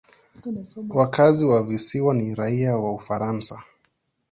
Wakazi wa visiwa ni raia wa Ufaransa.